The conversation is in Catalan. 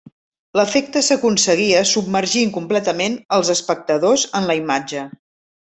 L'efecte s'aconseguia submergint completament els espectadors en la imatge.